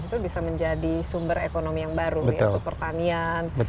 itu bisa menjadi sumber ekonomi yang baru yaitu pertanian